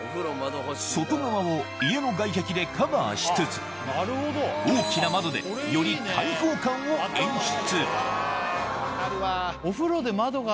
外側を家の外壁でカバーしつつ大きな窓でより開放感を演出